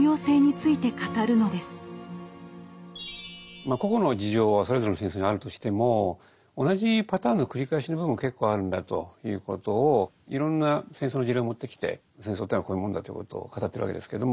まあ個々の事情はそれぞれの戦争にあるとしても同じパターンの繰り返しの部分も結構あるんだということをいろんな戦争の事例を持ってきて戦争っていうのはこういうもんだということを語ってるわけですけれども。